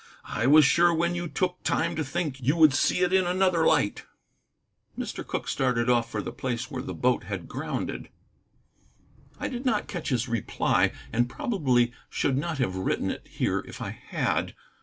I was sure when you took time to think you would see it in another light." Mr. Cooke started off for the place where the boat had grounded. I did not catch his reply, and probably should not have written it here if I had.